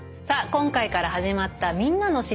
今回から始まった「みんなの『知りたい！』」